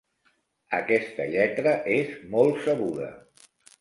Aquesta lletra és molt sabuda.